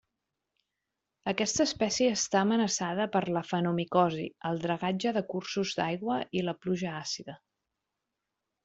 Aquesta espècie està amenaçada per l'afanomicosi, el dragatge de cursos d'aigua i la pluja àcida.